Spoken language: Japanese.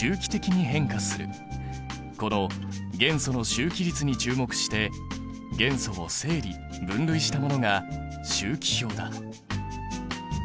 この元素の周期律に注目して元素を整理分類したものが周期表だ。